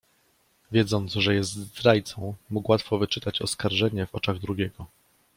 "Wiedząc, że jest zdrajcą, mógł łatwo wyczytać oskarżenie w oczach drugiego."